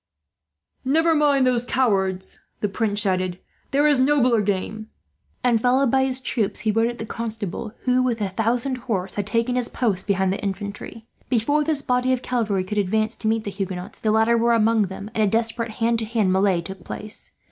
"Never mind those cowards," the Prince shouted, "there is nobler game!" and, followed by his troop, he rode at the Constable; who, with a thousand horse, had taken his post behind the infantry. Before this body of cavalry could advance to meet the Huguenots, the latter were among them, and a desperate hand to hand melee took place.